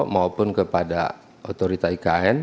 maupun kepada otorita ikn